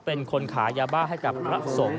เป็นคนขายยาบ้าให้กับพระสงฆ์